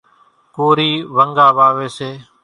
ڪورِي ونڳا واويَ سي۔